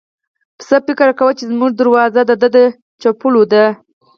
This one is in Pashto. پسه فکر کاوه چې زموږ دروازه د ده د چپلو ده.